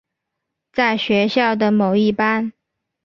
在学校的某一班。